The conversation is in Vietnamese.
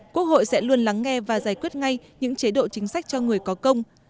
quốc hội sẽ luôn lắng nghe và giải quyết ngay những chế độ chính sách cho người có công